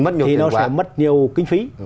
thì nó sẽ mất nhiều kinh phí